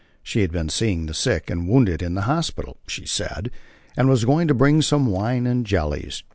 She'd been seeing the sick and wounded in hospital, she said, and was going to bring some wine and jellies.